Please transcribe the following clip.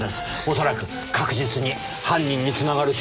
恐らく確実に犯人に繋がる証拠が。